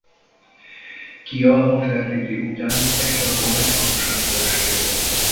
Kia Nofertiti után Ehnaton legfontosabb felesége volt.